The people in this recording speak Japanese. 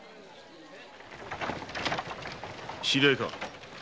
知り合いか？